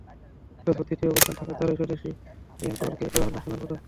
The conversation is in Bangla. অতঃপর দ্বিতীয় অবস্থানে থাকা তারই স্বদেশি ইওয়ান কোয়ালকে দেওয়া হলো সোনার পদক।